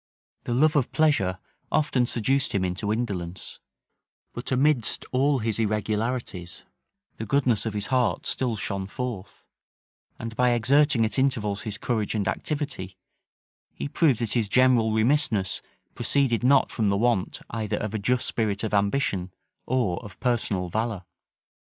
The love of pleasure often seduced him into indolence; but amidst all his irregularities, the goodness of his heart still shone forth; and by exerting at intervals his courage and activity, he proved that his general remissness proceeded not from the want either of a just spirit of ambition, or of personal valor.